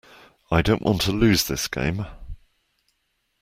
I don't want to lose this game.